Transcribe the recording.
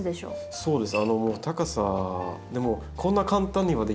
そうですね。